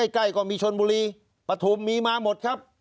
ใกล้ก็มีชนบุรีปฐุมมีมาหมดครับ